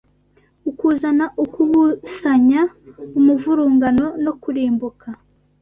ukuzana ukubusanya, umuvurungano no kurimbuka.